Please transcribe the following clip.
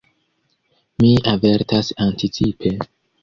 Mi avertas anticipe.